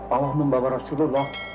allah membawa rasulullah